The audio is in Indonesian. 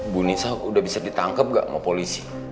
bu nisa udah bisa ditangkap gak sama polisi